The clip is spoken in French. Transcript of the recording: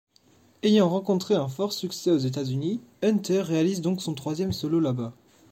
Ayant rencontré un fort succès aux États-Unis, Hunter réalise donc son troisième solo là-bas.